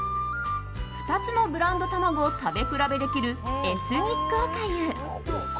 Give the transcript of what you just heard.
２つのブランド卵を食べ比べできるエスニックおかゆ。